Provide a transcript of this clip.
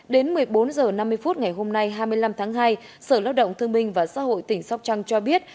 đến một mươi bốn h năm mươi phút ngày hôm nay hai mươi năm tháng hai sở lao động thương minh và xã hội tỉnh sóc trăng cho biết